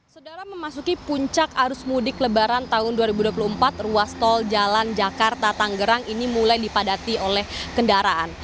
sedara memasuki puncak arus mudik lebaran tahun dua ribu dua puluh empat ruas tol jalan jakarta tanggerang ini mulai dipadati oleh kendaraan